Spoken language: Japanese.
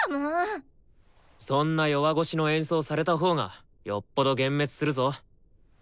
そんな弱腰の演奏されたほうがよっぽど幻滅するぞ。